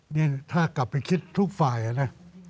นี่ถ้ากลับไปคิดทุกฝ่ายนะ